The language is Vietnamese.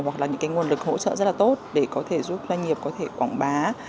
hoặc là những cái nguồn lực hỗ trợ rất là tốt để có thể giúp doanh nghiệp có thể quảng bá